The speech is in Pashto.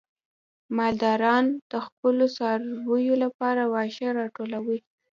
مالداران د خپلو څارویو لپاره واښه راټولوي.